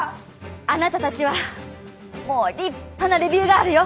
あなたたちはもう立派なレビューガールよ。